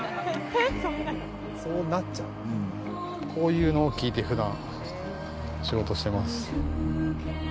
こういうのを聴いて、ふだん仕事してます。